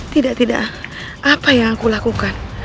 tidak tidak apa yang aku lakukan